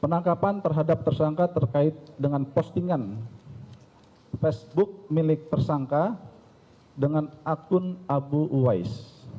penangkapan terhadap tersangka terkait dengan postingan facebook milik tersangka dengan akun abu uwais